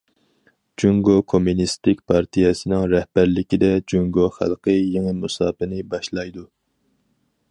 جۇڭگو كوممۇنىستىك پارتىيەسىنىڭ رەھبەرلىكىدە، جۇڭگو خەلقى يېڭى مۇساپىنى باشلايدۇ.